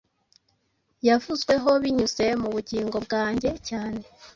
Yavuzweho, binyuze mu bugingo bwanjye cyane